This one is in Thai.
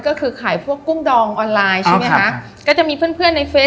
ก็คือขายพวกกุ้งดองออนไลน์ใช่ไหมคะก็จะมีเพื่อนเพื่อนในเฟซ